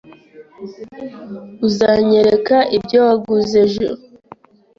Uzanyereka ibyo waguze ejo?